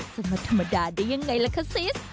จะมาธรรมดาได้ยังไงล่ะคะซิส